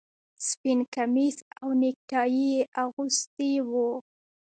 سپین کمیس او نیکټايي یې اغوستي وو